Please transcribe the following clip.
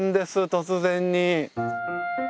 突然に。